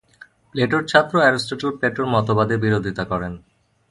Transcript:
প্লেটোর ছাত্র অ্যারিস্টটল প্লেটোর মতবাদের বিরোধিতা করেন।